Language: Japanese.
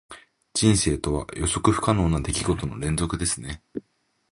人生とは、予測不可能な出来事の連続ですね。